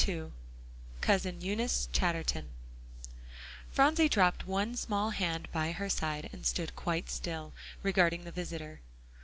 II COUSIN EUNICE CHATTERTON Phronsie dropped one small hand by her side, and stood quite still regarding the visitor.